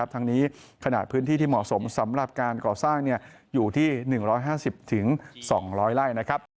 ทั้งนี้ขณะพื้นที่ที่เหมาะสมสำหรับการก่อสร้างอยู่ที่๑๕๐๒๐๐ไร่นะครับ